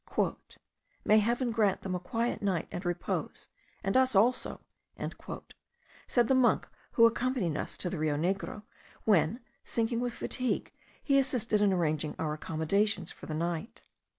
"May Heaven grant them a quiet night and repose, and us also!" said the monk who accompanied us to the Rio Negro, when, sinking with fatigue, he assisted in arranging our accommodations for the night.